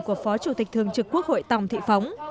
của phó chủ tịch thường trực quốc hội tòng thị phóng